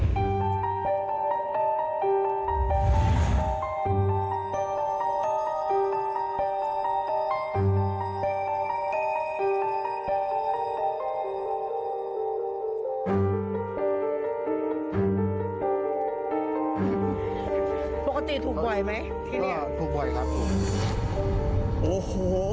ปกติถูกไหวไหมที่นี่